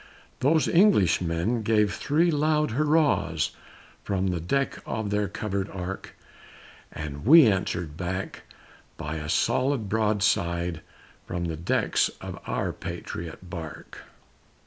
Those Englishmen gave three loud hurrahs from the deck of their covered ark, And we answered back by a solid broadside from the decks of our patriot bark.